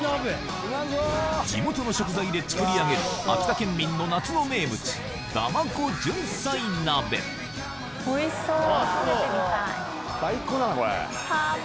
地元の食材で作り上げる秋田県民の夏の名物うまそう！